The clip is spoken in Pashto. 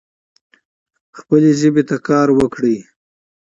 خپلي ژبي ته کار وکړئ.